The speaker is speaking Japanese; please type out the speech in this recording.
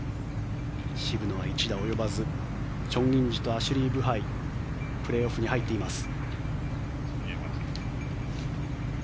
渋野は１打及ばずチョン・インジとアシュリー・ブハイプレーオフに入っています。